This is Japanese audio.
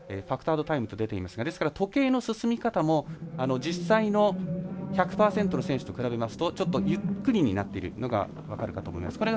ファクタードタイムと出ていますが時計の進み方も、実際の１００％の選手に比べますとちょっとゆっくりになっているのが分かるかと思います。